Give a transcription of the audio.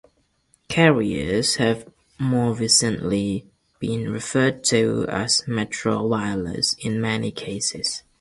Carriers have more recently been referred to as Metro Wireless in many cases.